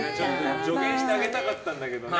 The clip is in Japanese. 助言してあげたかったんですけどね。